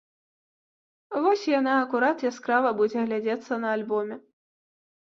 Вось яна акурат яскрава будзе глядзецца на альбоме.